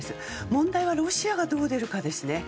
問題はロシアがどう出るかですね。